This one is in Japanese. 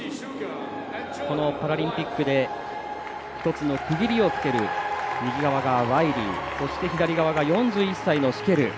このパラリンピックで１つの区切りをつける、ワイリーとそして４１歳のシュケル。